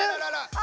あ！